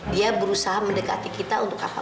dia berusaha mendekati kita untuk apa